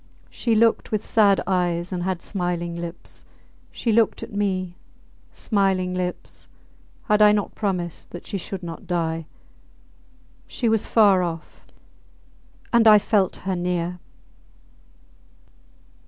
She looked with sad eyes and had smiling lips; she looked at me ... Smiling lips! Had I not promised that she should not die! She was far off and I felt her near.